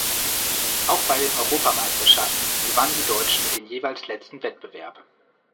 Auch bei den Europameisterschaften gewannen die Deutschen den jeweils letzten Wettbewerb.